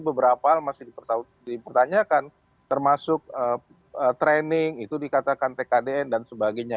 beberapa hal masih dipertanyakan termasuk training itu dikatakan tkdn dan sebagainya